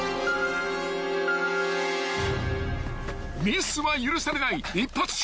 ［ミスは許されない一発勝負］